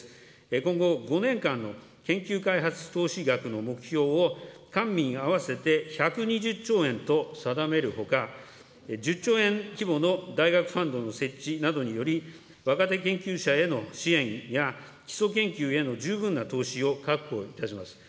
今後５年間の研究開発投資額の目標を官民合わせて１２０兆円と定めるほか、１０兆円規模の大学ファンドの設置などにより、若手研究者への支援や基礎研究への十分な投資を確保いたします。